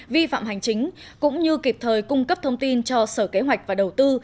vi phạm hành chính cũng như kịp thời cung cấp thông tin cho sở kế hoạch và đầu tư